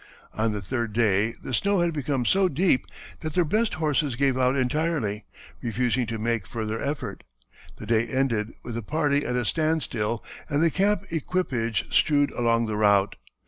On the third day the snow had become so deep that their best horses gave out entirely, refusing to make further effort; the day ended with the party at a stand still and the camp equipage strewed along the route.